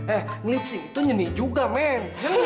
eh ngelipsing itu nyanyi juga men